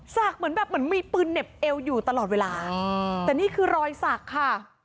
เหมือนแบบเหมือนมีปืนเหน็บเอวอยู่ตลอดเวลาแต่นี่คือรอยสักค่ะ